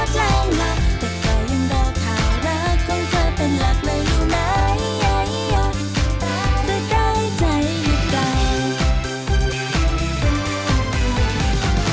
สามารถรับชมได้ทุกวัย